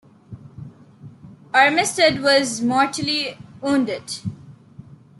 Armistead was mortally wounded.